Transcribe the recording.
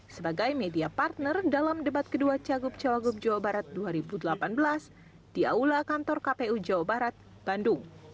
sebagai media partner dalam debat kedua cagup cawagup jawa barat dua ribu delapan belas di aula kantor kpu jawa barat bandung